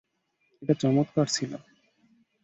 এটা চমৎকার ছিল।